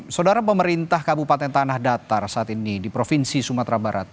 saudara pemerintah kabupaten tanah datar saat ini di provinsi sumatera barat